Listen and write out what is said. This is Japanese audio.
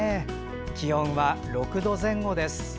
気温は６度前後です。